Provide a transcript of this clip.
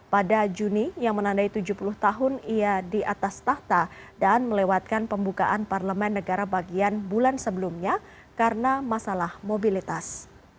pada juni yang menandai tujuh puluh tahun ia di atas tahta dan melewatkan pembukaan parlemen negara bagian bulan sebelumnya karena masalah mobilitas